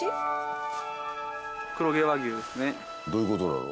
どういうことなの？